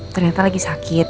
ternyata lagi sakit